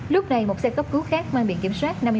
lúc này một xe cắp cứu khác mang biển kiểm soát